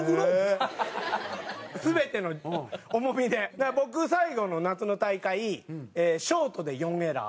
だから僕最後の夏の大会ショートで４エラー。